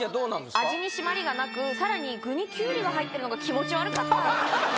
味に締りがなくさらに具にきゅうりが入ってるのが気持ち悪かったははははっ